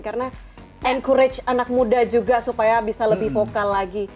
karena encourage anak muda juga supaya bisa lebih vokal lagi